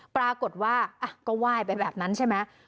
ปรากฏว่าก็ไหว้ไปแบบนั้นใช่ไหม